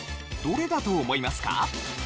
どれだと思いますか？